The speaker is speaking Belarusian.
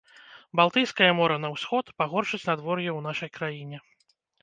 Балтыйскае мора на ўсход, пагоршыць надвор'е ў нашай краіне.